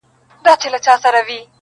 o هر څوک يې په خپل نظر ګوري,